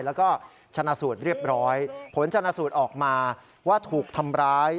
แล้วก็ชนะสูตรเรียบร้อยผลชนะสูตรออกมาว่าถูกทำร้าย